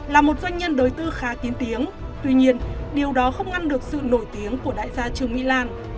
là một doanh nhân đối tư khá tiến tiếng tuy nhiên điều đó không ngăn được sự nổi tiếng của đại gia trương mỹ lan